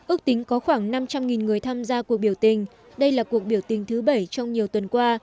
ước tính có khoảng năm trăm linh người tham gia cuộc biểu tình đây là cuộc biểu tình thứ bảy trong nhiều tuần qua